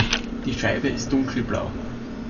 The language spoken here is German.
Die Scheibe ist dunkelblau.